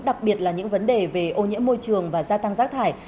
đặc biệt là những vấn đề về ô nhiễm môi trường và gia tăng giác thải